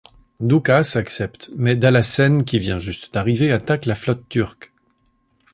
Doukas accepte mais Dalassène qui vient juste d'arriver attaque la flotte turque.